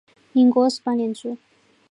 民国二十八年卒。